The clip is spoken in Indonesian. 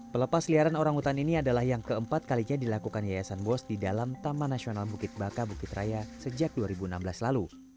pelepas liaran orangutan ini adalah yang keempat kalinya dilakukan yayasan bos di dalam taman nasional bukit baka bukit raya sejak dua ribu enam belas lalu